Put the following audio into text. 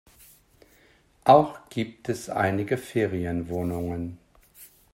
Auch gibt es einige Ferienwohnungen.